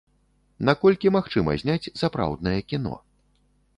Наколькі магчыма зняць сапраўднае кіно?